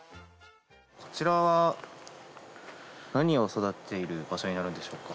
こちらは何を育てている場所になるんでしょうか？